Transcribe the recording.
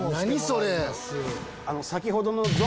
それ。